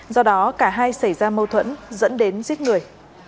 do đó cả hai xảy ra mâu thuẫn dẫn đến giết người